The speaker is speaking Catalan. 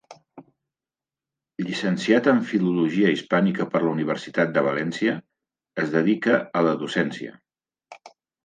Llicenciat en Filologia Hispànica per la Universitat de València, es dedica a la docència.